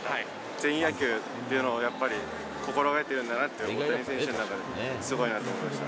全員野球というのをやっぱり、心がけているんだなっていう、大谷選手の中で、すごいなと思いました。